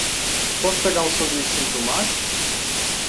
Posso pegar um sanduíche sem tomate?